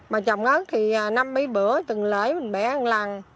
mà trồng ớt thì năm mấy bữa từng lễ mình bẻ một lần